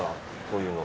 こういうの。